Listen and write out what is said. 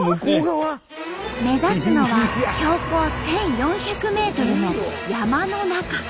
目指すのは標高１，４００ｍの山の中。